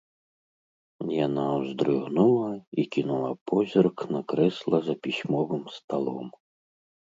Яна ўздрыгнула і кінула позірк на крэсла за пісьмовым сталом.